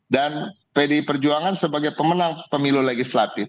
dan pdi perjuangan sebagai pemenang pemilu legislatif